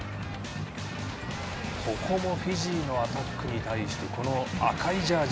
ここもフィジーのアタックに対して赤いジャージ